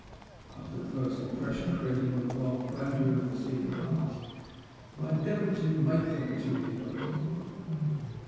After the first impression, created by the wild grandeur of the scene, had passed, I endeavoured to make the opportunity I wanted.